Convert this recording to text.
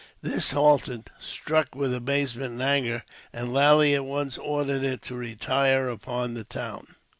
This halted, struck with amazement and anger, and Lally at once ordered it to retire upon the town.